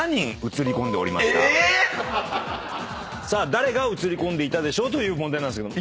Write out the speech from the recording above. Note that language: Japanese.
⁉誰が映り込んでいたでしょう？という問題なんですけど。